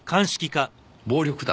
暴力団？